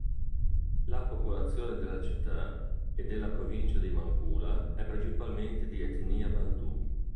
La popolazione della città e della provincia di Nampula è principalmente di etnia bantu.